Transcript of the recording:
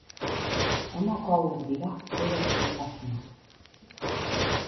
Honako hauek dira bere xehetasunak.